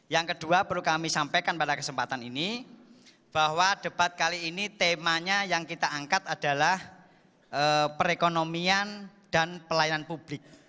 yang kedua perlu kami sampaikan pada kesempatan ini bahwa debat kali ini temanya yang kita angkat adalah perekonomian dan pelayanan publik